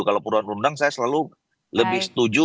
kalau perubahan perundang saya selalu lebih setuju